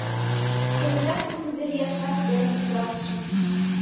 Кенеташте кузе лияшат ӧрын кудалтышым.